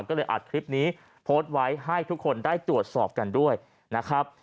ก็เลยอัดคลิปนี้โพสต์ไว้ให้ทุกคนได้ตรวจสอบกันด้วยนะครับ